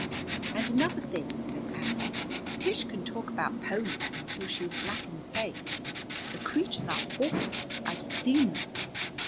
"And another thing," said Aggie: "Tish can talk about ponies until she is black in the face. The creatures are horses. I've seen them."